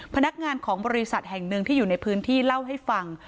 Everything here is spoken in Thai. พนักงานของบริษัทแห่งหนึ่งที่อยู่ในพื้นที่เล่าให้ฟัง